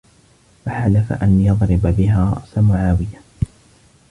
فَحَلَفَ أَنْ يَضْرِبَ بِهَا رَأْسَ مُعَاوِيَةَ